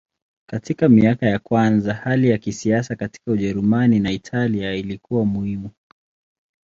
Katika miaka ya kwanza hali ya kisiasa katika Ujerumani na Italia ilikuwa muhimu.